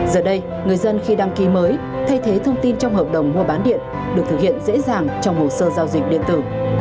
giờ đây người dân khi đăng ký mới thay thế thông tin trong hợp đồng mua bán điện được thực hiện dễ dàng trong hồ sơ giao dịch điện tử